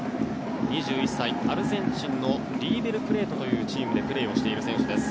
２１歳アルゼンチンのリーベル・プレートというチームでプレーをしている選手です。